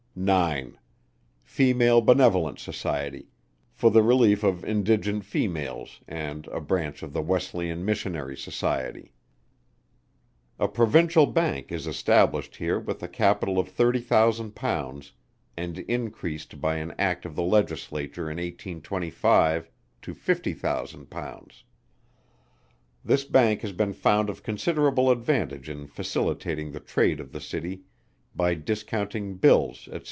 9. Female Benevolent Society, for the relief of indigent females, and a Branch of the Wesleyan Missionary Society. A Provincial Bank is established here with a capital of £30,000, and increased by an Act of the Legislature in 1825 to £50,000. This Bank has been found of considerable advantage in facilitating the trade of the City by discounting Bills, &c.